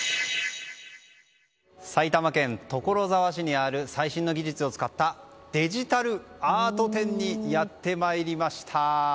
埼玉県所沢市にある最新の技術を使ったデジタルアート展にやってまいりました。